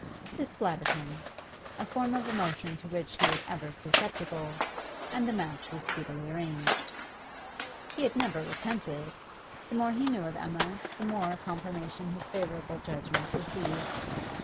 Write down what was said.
This flattered him a form of emotion to which he was ever susceptible and the match was speedily arranged. He had never repented. The more he knew of Emma, the more confirmation his favourable judgments received.